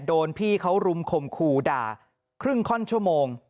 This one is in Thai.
โดนพี่เค๋อรุ่มคมคูด่าครึ่งข้อนชั่วโมง